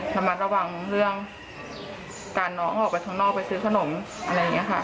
ระมัดระวังเรื่องการน้องออกไปข้างนอกไปซื้อขนมอะไรอย่างนี้ค่ะ